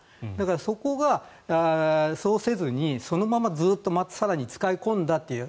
そこをそうせずにそのままずっと更に使い込んだという。